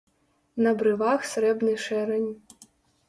На брывах срэбны шэрань.